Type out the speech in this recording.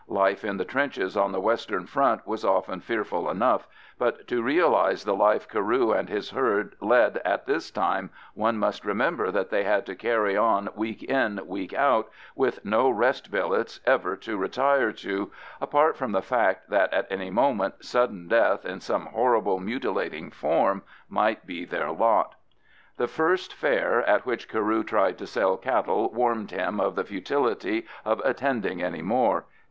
Life in the trenches on the Western Front was often fearful enough, but to realise the life Carew and his herd led at this time one must remember that they had to carry on week in week out, with no rest billets ever to retire to, apart from the fact that at any moment sudden death in some horrible mutilating form might be their lot. The first fair at which Carew tried to sell cattle warned him of the futility of attending any more.